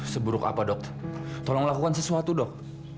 seburuk apa dok tolong lakukan sesuatu dok